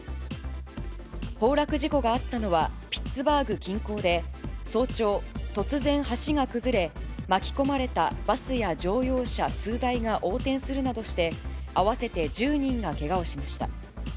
崩落事故があったのは、ピッツバーグ近郊で、早朝、突然橋が崩れ、巻き込まれたバスや乗用車数台が横転するなどして合わせて１０人がけがをしました。